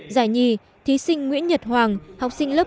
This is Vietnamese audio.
giải nhì thí sinh nguyễn nhật hoàng học sinh lớp một mươi hai e